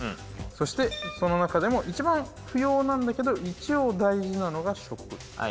そしてその中でも一番不要なんだけど一応大事なのが食。